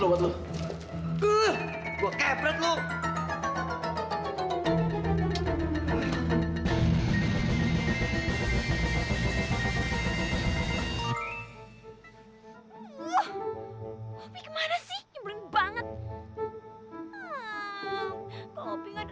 aaaaah kalo hobi gak dateng dateng aku pulang lagi mana